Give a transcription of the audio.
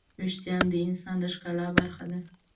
وېښتيان د انسان د ښکلا برخه ده.